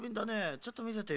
ちょっとみせてよ。